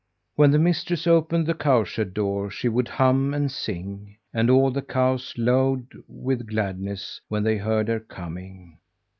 When the mistress opened the cowshed door she would hum and sing, and all the cows lowed with gladness when they heard her coming.